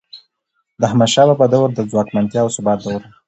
د احمدشاه بابا دور د ځواکمنتیا او ثبات دور و.